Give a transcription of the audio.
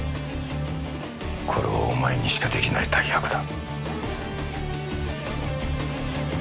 これはお前にしかできない大役だ